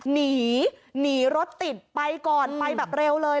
หนีหนีรถติดไปก่อนไปแบบเร็วเลย